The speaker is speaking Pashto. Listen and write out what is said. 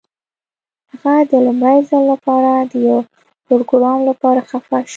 هغه د لومړي ځل لپاره د یو پروګرامر لپاره خفه شو